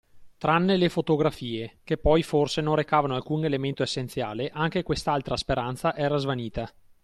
Tranne le fotografie – che poi, forse, non recavano alcun elemento essenziale – anche quest’altra speranza era svanita.